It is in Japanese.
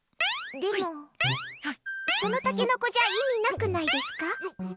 でも、そのタケノコじゃ意味なくないですか？